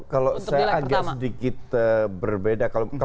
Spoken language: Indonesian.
kalau saya agak sedikit berbeda